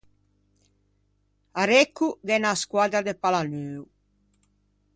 À Recco gh'é unna squaddra de pallaneuo.